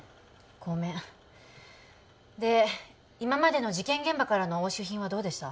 ごめんで今までの事件現場からの押収品はどうでした？